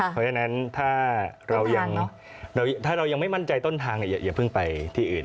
เพราะฉะนั้นถ้าเรายังไม่มั่นใจต้นทางอย่าเพิ่งไปที่อื่น